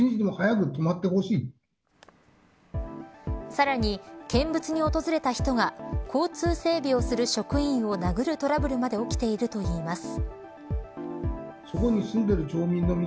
さらに、見物に訪れた人が交通整備をする職員を殴るトラブルまで起きているといいます。